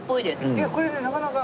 いやこれねなかなか。